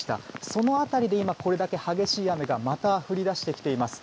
その辺りで、これだけ激しい雨がまた降り出してきています。